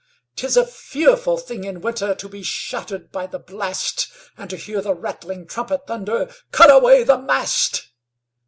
'Tis a fearful thing in winter To be shattered by the blast, And to hear the rattling trumpet Thunder, "Cut away the mast!"